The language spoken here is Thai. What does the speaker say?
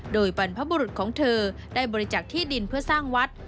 โดยบรรพบุรุษของเธอได้บริจักษ์ที่ดินเพื่อสร้างวัด